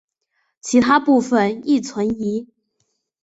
其他部分亦存疑。